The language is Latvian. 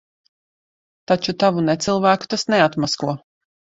Taču tavu necilvēku tas neatmasko.